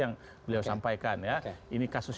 yang beliau sampaikan ya ini kasus